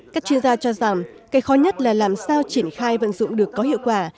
các chuyên gia cho rằng cái khó nhất là làm sao triển khai vận dụng được có hiệu quả